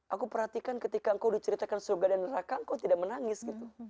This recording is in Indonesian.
aku perhatikan ketika engkau diceritakan surga dan neraka engkau tidak menangis gitu